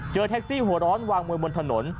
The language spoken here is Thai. แท็กซี่หัวร้อนวางมือบนถนน